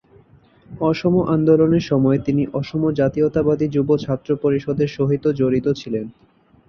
অসম আন্দোলনের সময়ে তিনি অসম জাতীয়তাবাদী যুব ছাত্র পরিষদের সহিত জড়িত ছিলেন।